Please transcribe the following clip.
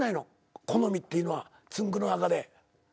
好みっていうのはつんく♂の中で。